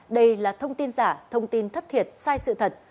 đây là thông tin giả thông tin thất thiệt sai sự thật